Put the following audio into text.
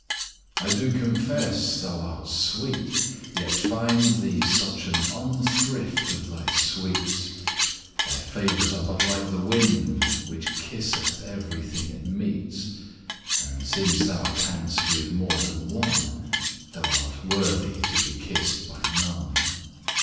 I do confess thou'rt sweet; yet find Thee such an unthrift of thy sweets, Thy favours are but like the wind That kisseth everything it meets: 10 And since thou canst with more than one, Thou'rt worthy to be kiss'd by none.